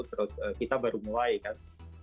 terus kita baru mulai kan